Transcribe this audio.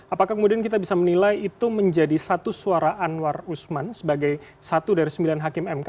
apakah kemudian kita bisa menilai itu menjadi satu suara anwar usman sebagai satu dari sembilan hakim mk